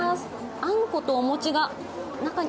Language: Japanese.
あんことお餅が中に。